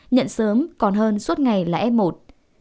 nhận sớm còn hơn suốt ngày là ép một